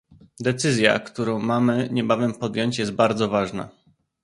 Decyzja, która mamy niebawem podjąć, jest bardzo ważna